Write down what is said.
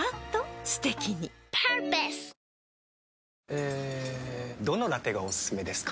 えどのラテがおすすめですか？